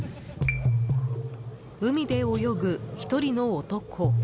海で泳ぐ１人の男。